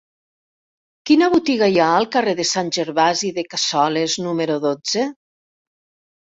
Quina botiga hi ha al carrer de Sant Gervasi de Cassoles número dotze?